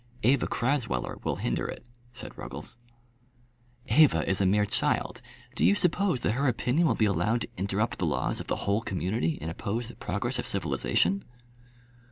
"Eva Crasweller will hinder it," said Ruggles. "Eva is a mere child. Do you suppose that her opinion will be allowed to interrupt the laws of the whole community, and oppose the progress of civilisation?"